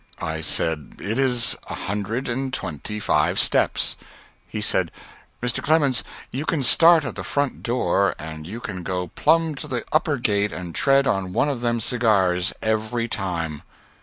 I said, "It is a hundred and twenty five steps." He said, "Mr. Clemens, you can start at the front door and you can go plumb to the upper gate and tread on one of them cigars every time."